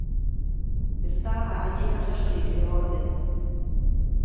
Ez da haien arrastorik ere gorde.